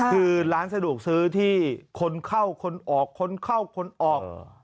คือร้านสะดวกซื้อที่คนเข้าคนออกคนเข้าคนออก